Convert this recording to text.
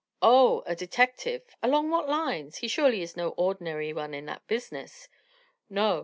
"Oh, a detective. Along what lines? He surely is no ordinary one at that business." "No.